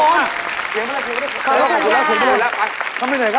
เย็นมาแล้วขอบคุณครับ